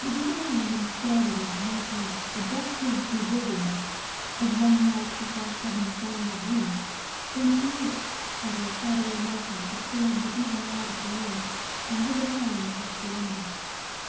The visiting woman stared with a motion of adjustive bewilderment, as one might before a sudden change of wind, then she looked, as a shadowy motion disturbed the even light of the room and little Ellen passed the window.